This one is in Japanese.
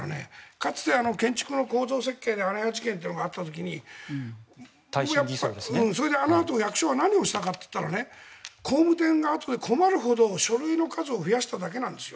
かつて、建築の構造設計で耐震偽装の姉歯事件というのがあった時にあのあと役所が何をしたかというと工務店が困るほど書類の数を増やしただけなんです